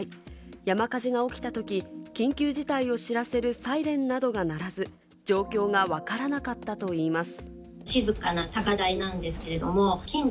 山火事が起きたとき、緊急事態を知らせるサイレンなどが鳴らず、状況がわからなかったといいます。